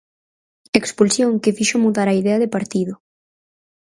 Expulsión que fixo mudar a idea de partido.